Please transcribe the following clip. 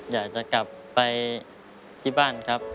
อยากจะกลับไปที่บ้านครับ